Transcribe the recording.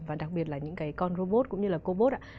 và đặc biệt là những cái con robot cũng như là cobot ạ